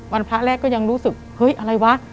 พระแรกก็ยังรู้สึกเฮ้ยอะไรวะ